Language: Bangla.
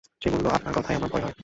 সে বললে, আপনার কথায় আমার ভয় হয়।